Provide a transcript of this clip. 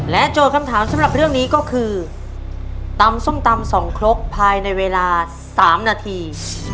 โจทย์คำถามสำหรับเรื่องนี้ก็คือตำส้มตำสองครกภายในเวลา๓นาที